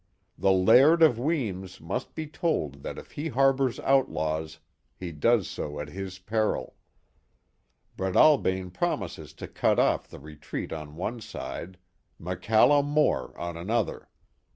The Laird of Weems must be told that it he harbors outlaws, he does so at his peril. Breadalbane promised to cut off the re treat on one side, MacCallum More on another.